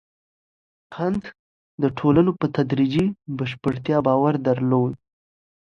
کنت د ټولنو په تدریجي بشپړتیا باور درلود.